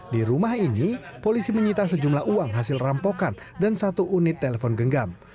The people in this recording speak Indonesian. di rumah ini polisi menyita sejumlah uang hasil rampokan dan satu unit telepon genggam